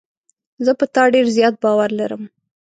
زه په تا ډېر زیات باور لرم.